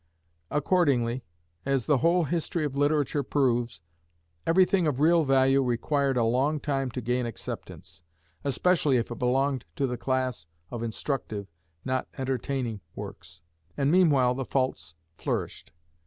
Accordingly, as the whole history of literature proves, everything of real value required a long time to gain acceptance, especially if it belonged to the class of instructive, not entertaining, works; and meanwhile the false flourished.